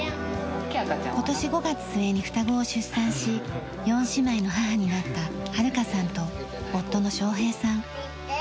今年５月末に双子を出産し４姉妹の母になった晴香さんと夫の尚平さん。